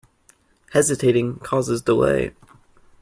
Hesitating causes delay.